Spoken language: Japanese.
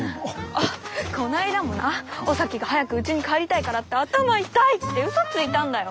あっこの間もなお咲が早くうちに帰りたいからって「頭痛い」ってうそついたんだよ。